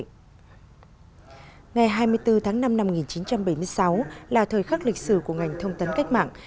ngày hai mươi bốn tháng năm năm một nghìn chín trăm bảy mươi sáu là thời khắc lịch sử của ngành thông tấn cách mạng